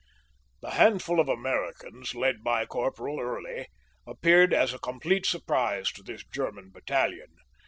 The handful of Americans, led by Corporal Early, ap peared as a complete surprise to this German battalion.